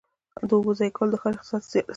د اوبو ضایع کول د ښار اقتصاد ته زیان رسوي.